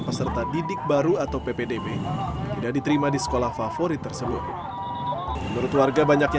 peserta didik baru atau ppdb tidak diterima di sekolah favorit tersebut menurut warga banyaknya